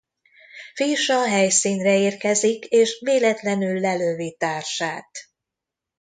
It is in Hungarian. Fish a helyszínre érkezik és véletlenül lelövi társát.